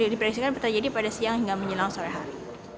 diprediksikan terjadi pada siang hingga menjelang sore hari